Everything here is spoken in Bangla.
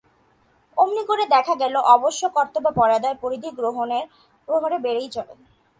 এমনি করে দেখা গেল অবশ্যকর্তব্যতার পরিধি প্রহরে প্রহরে বেড়েই চলে।